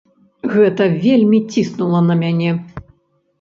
Гэта вельмі ціснула на мяне.